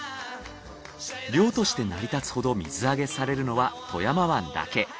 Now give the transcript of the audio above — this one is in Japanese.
漁としてなりたつほど水揚げされるのは富山湾だけ。